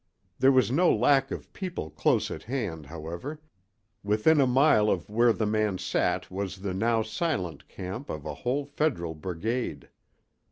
There was no lack of people close at hand, however; within a mile of where the man sat was the now silent camp of a whole Federal brigade.